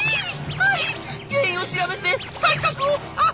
はい原因を調べて対策をあ」。